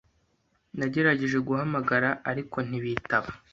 Nagerageje guhamagara, ariko ntibitaba.